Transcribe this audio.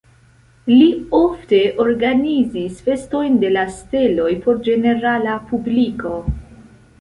Li ofte organizis festojn de la steloj por ĝenerala publiko.